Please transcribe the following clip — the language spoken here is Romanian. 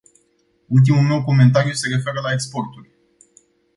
Ultimul meu comentariu se referă la exporturi.